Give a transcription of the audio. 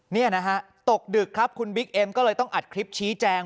นี่นะฮะตกดึกครับคุณบิ๊กเอ็มก็เลยต้องอัดคลิปชี้แจง